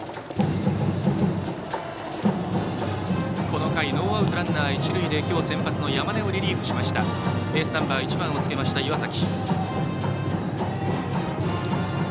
この回ノーアウトランナー、一塁で今日先発の山根をリリーフしましたエースナンバー１番をつけた岩崎。